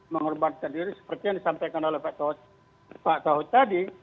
mengorban sendiri seperti yang disampaikan oleh pak tauhud tadi